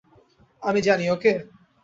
আমি জানি, ওকে?